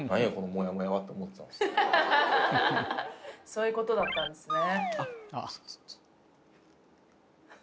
そういうことだったんですね。